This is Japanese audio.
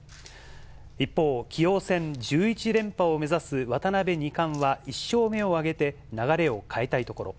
一方、棋王戦１１連覇を目指す渡辺二冠は、１勝目を挙げて流れを変えたいところ。